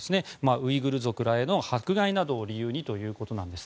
ウイグル族らへの迫害などを理由にということなんです。